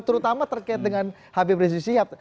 terutama terkait dengan habib rizieq syihab